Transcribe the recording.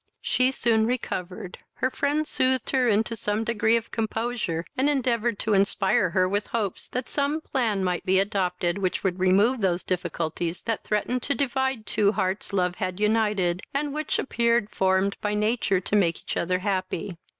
She soon recovered, her friend soothed her into some degree of composure, and endeavoured to inspire her with hopes that some plan might be adopted which would remove those difficulties that threatened to divide two hearts love had united, and which appeared formed by nature to make each other happy.